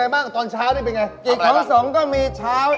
ปักทองแกงบวช